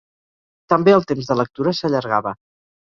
També el temps de lectura s'allargava.